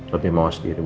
tapi mawas diri